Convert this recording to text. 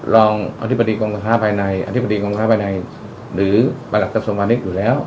รองอธิบดีกรมการค้าภายในอธิบดีกรมค้าภายในหรือประหลัดกระทรวงพาณิชย์อยู่แล้ว